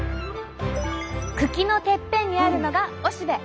茎のてっぺんにあるのがおしべ。